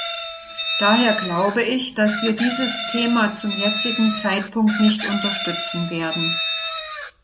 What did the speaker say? Daher glaube ich, dass wir dieses Thema zum jetzigen Zeitpunkt nicht unterstützen werden.